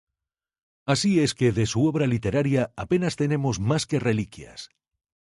Así es que de su obra literaria apenas tenemos más que reliquias.